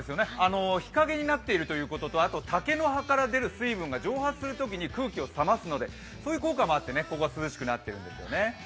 日影になっているということとあと竹の葉から出る水分が蒸発するときに空気を冷ますのでそういう効果もあってここは涼しくなっているんですよね。